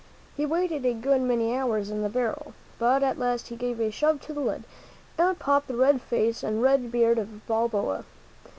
He waited a good many hours in the barrel, but at last he gave a shove to the lid, and out popped the red face and red beard of Balboa.